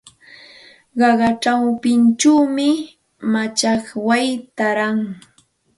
Qaqa chawpinchawmi machakway taaran.